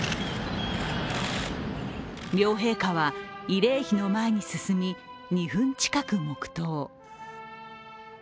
両陛下は慰霊碑の前に進み２分近く黙とう。